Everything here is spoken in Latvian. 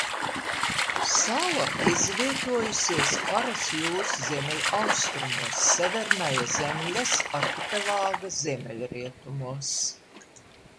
Sala izvietojusies Karas jūras ziemeļaustrumos Severnaja Zemļas arhipelāga ziemeļrietumos.